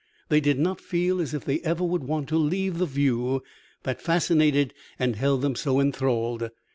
They did not feel as if they ever would want to leave the view that fascinated and held them so enthralled.